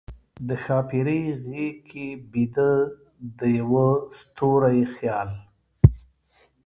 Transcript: د ښاپیرۍ غیږ کې بیده، د یوه ستوری خیال